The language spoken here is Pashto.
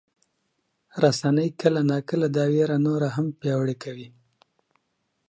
رسنۍ کله ناکله دا ویره نوره هم پیاوړې کوي.